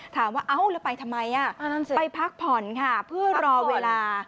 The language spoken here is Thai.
ถามว่าเอ้าไปทำไมไปพักผ่อนค่ะ